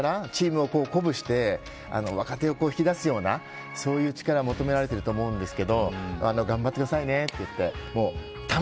チームを鼓舞して若手を引き出すようなそういう力が求められていると思うんですが頑張ってくださいねと言って。